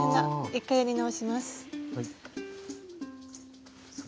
一回やり直します。